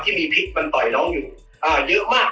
ที่มีพลิกมันต่อยน้องอยู่เยอะมาก